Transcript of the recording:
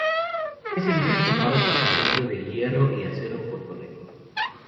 Es el único faro construido de hierro y acero en Puerto Rico.